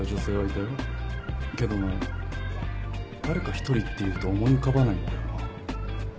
けどな誰か１人っていうと思い浮かばないんだよな。